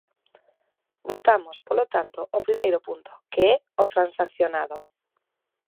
Votamos, polo tanto, o primeiro punto, que é o transaccionado.